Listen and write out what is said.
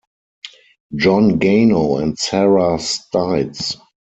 John Gano and Sarah Stites.